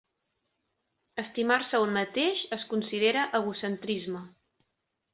Estimar-se a un mateix es considera egocentrisme